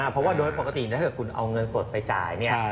เพราะว่าโดยปกติถ้าเกิดคุณเอาเงินสดไปจ่ายเนี่ย